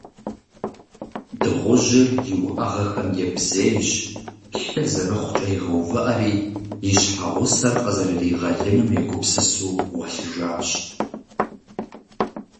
Дыгъужьыр и уӀэгъэм ебзейщ, лъыр, зэрыхъукӀэ игъэувыӀэри, и щхьэгъусэр къызэрыригъэлынум егупсысу гъуэлъыжащ.